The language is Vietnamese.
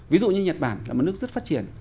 ví dụ như nhật bản là một nước rất phát triển